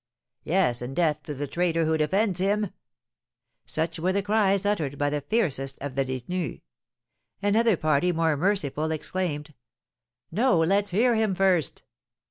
"Yes, and death to the traitor who defends him!" Such were the cries uttered by the fiercest of the détenus. Another party, more merciful, exclaimed: "No, let's hear him first!"